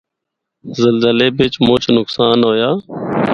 زلزلے بچ مُچ نقصان ہویا۔